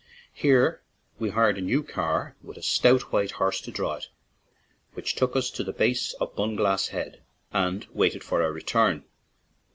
Here we hired a new car, with a stout, white horse to draw it, which took us to the base of Bunglass Head and wait ed for our return.